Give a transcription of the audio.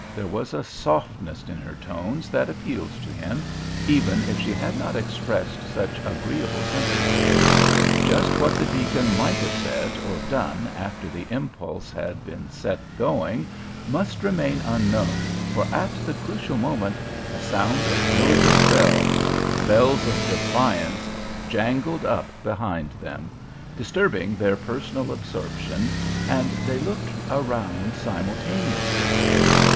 There was a softness in her tones that appealed to him, even if she had not expressed such agreeable sentiments. Just what the deacon might have said or done after the impulse had been set going must remain unknown, for at the crucial moment a sound of militant bells, bells of defiance, jangled up behind them, disturbing their personal absorption, and they looked around simultaneously.